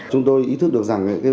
chúng tôi ý thức được rằng